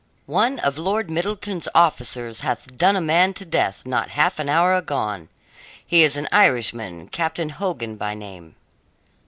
"One of Lord Middleton's officers hath done a man to death not half an hour agone; he is an Irishman Captain Hogan by name."